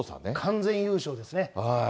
完全優勝ですね。